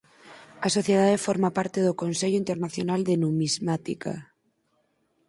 A sociedade forma parte do Consello Internacional de Numismática.